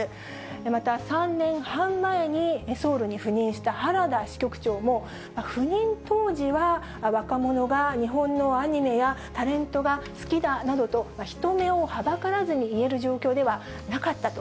また、３年半前にソウルに赴任した原田支局長も、赴任当時は、若者が日本のアニメやタレントが好きだなどと、人目をはばからずに言える状況ではなかったと。